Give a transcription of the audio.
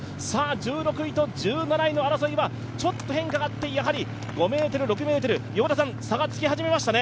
１６位と１７位の争いはちょっと変化があって５ｍ、６ｍ、差がつき始めましたね。